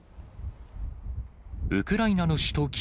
ウクライナの首都